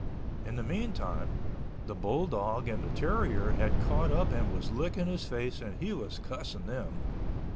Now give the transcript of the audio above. In the meantime, the bull dog and the terrier had caught up and was licking his face and he was cussing them.